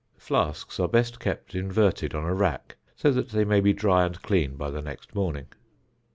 Flasks are best kept inverted on a rack, so that they may be dry and clean by the next morning.